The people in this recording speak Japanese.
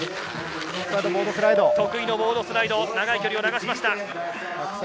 得意のボードスライド、長い距離を流しました。